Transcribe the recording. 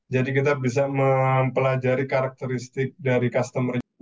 jadi kita bisa mempelajari karakteristik dari customer